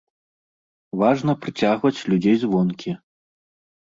Важна прыцягваць людзей звонкі.